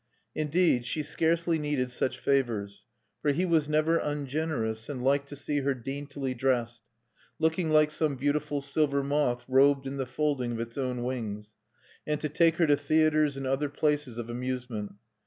Indeed she scarcely needed such favors; for he was never ungenerous, and liked to see her daintily dressed, looking like some beautiful silver moth robed in the folding of its own wings, and to take her to theatres and other places of amusement.